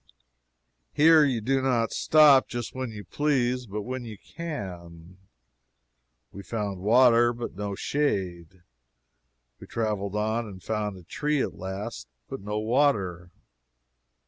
Here you do not stop just when you please, but when you can. We found water, but no shade. We traveled on and found a tree at last, but no water.